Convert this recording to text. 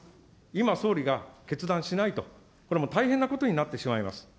今、総理が決断しないと、これ、もう大変なことになってしまいます。